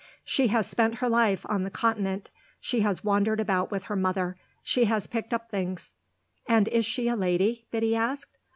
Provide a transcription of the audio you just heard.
"She has spent her life on the Continent; she has wandered about with her mother; she has picked up things." "And is she a lady?" Biddy asked.